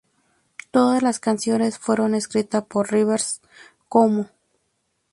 Todas las canciones fueron escritas por Rivers Cuomo.